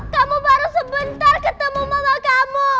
kamu baru sebentar ketemu mama kamu